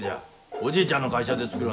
おじいちゃんの会社で作りょんぞ。